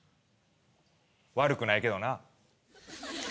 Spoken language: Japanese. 悪くないけどな。